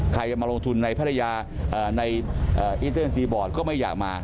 ใครจะมาลงทุนในภรรยาในอินเตอร์ซีบอร์ดก็ไม่อยากมา